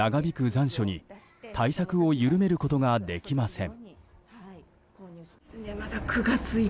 残暑に対策を緩めることができません。